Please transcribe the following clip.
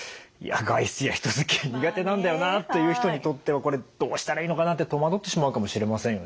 外出や人づきあい苦手なんだよなという人にとってはこれどうしたらいいのかなって戸惑ってしまうかもしれませんよね。